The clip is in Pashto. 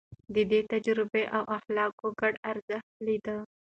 ده د تجربې او اخلاقو ګډ ارزښت ليده.